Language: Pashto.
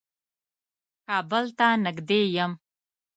کابل ته نېږدې يم.